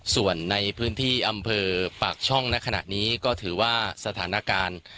ส่วนในพื้นที่อำเภอปากช่องในขณะนี้ก็ถือว่าสถานการณ์